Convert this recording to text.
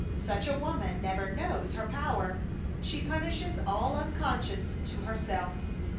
Such a woman never knows her power. She punishes all unconscious to herself.